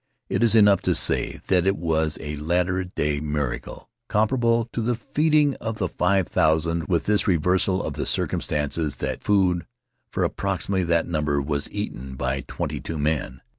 It is enough to say that it was a Latter Day miracle, comparable to the feeding of the five thousand, with this reversal of the circumstances — that food for approximately that number was eaten by twenty two men.